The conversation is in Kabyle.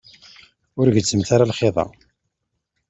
Ur gezzmet ara lxiḍ-a.